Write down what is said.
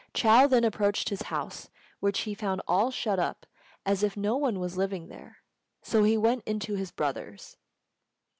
Chou then approached his house, which he found all shut up as if no one was living there; so he went into his brother's.